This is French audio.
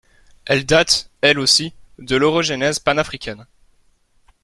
Elle date, elle aussi, de l'orogenèse panafricaine.